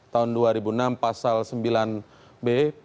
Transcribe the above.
tahun dua ribu enam pasal sembilan b